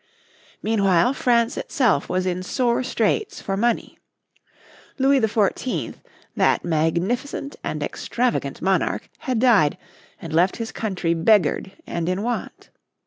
Meanwhile France itself was in sore straits for money. Louis XIV, that magnificent and extravagant monarch, had died and left his country beggared and in want.